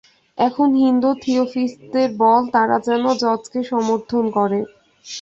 এখন হিন্দু থিওসফিষ্টদের বল, তারা যেন জজকে সমর্থন করে।